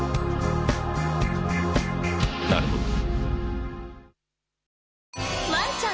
なるほど。